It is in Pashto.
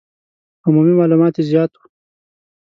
عمومي معلومات یې زیات وو.